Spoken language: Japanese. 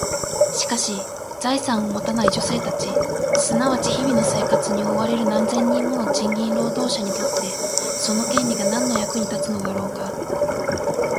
しかし、財産を持たない女性たち、すなわち日々の生活に追われる何千人もの賃金労働者にとって、その権利が何の役に立つのだろうか？